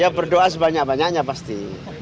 ya berdoa sebanyak banyaknya pasti